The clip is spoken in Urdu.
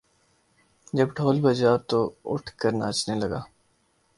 جب ڈھول بجا تو اٹھ کر ناچنے لگا